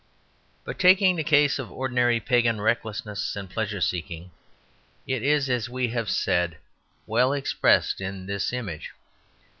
But taking the case of ordinary pagan recklessness and pleasure seeking, it is, as we have said, well expressed in this image.